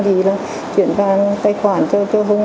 thì là chuyển vào tài khoản cho hùng